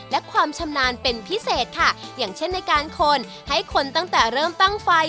และความชำนาญเป็นพิเศษค่ะอย่างเช่นในการคนให้คนตั้งแต่เริ่มตั้งไฟ